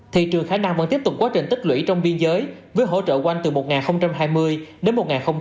thị trường khả năng vẫn tiếp tục quá trình tích lũy trong biên giới với hỗ trợ quanh từ một nghìn hai mươi đến một nghìn ba mươi